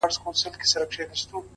ستا د تن سايه مي په وجود كي ده.